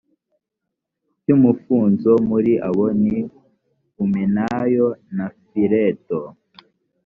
cy umufunzo muri abo ni humenayo na fileto